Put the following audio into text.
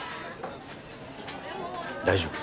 大丈夫。